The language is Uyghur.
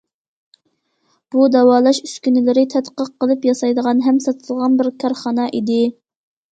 بۇ داۋالاش ئۈسكۈنىلىرى تەتقىق قىلىپ ياسايدىغان ھەم ساتىدىغان بىر كارخانا ئىدى.